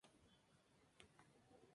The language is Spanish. La Chapelle-des-Marais